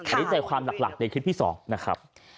อันนี้ใจความหลักในคลิปที่๒นะครับ